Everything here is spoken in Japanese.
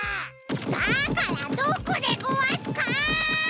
だからどこでごわすか！？